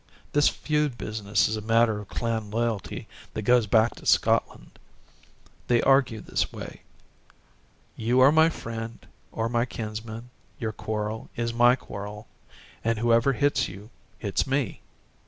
This feud business is a matter of clan loyalty that goes back to Scotland. They argue this way: You are my friend or my kinsman, your quarrel is my quarrel, and whoever hits you hits me.